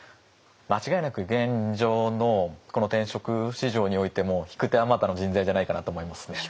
間違いなく現状のこの転職市場においても引く手あまたの人材じゃないかなと思いますね。